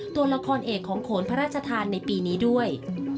ตัวละครเอกของโขนพระราชทานในปีนี้ด้วย